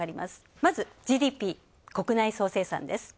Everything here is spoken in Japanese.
まずＧＤＰ＝国内総生産です。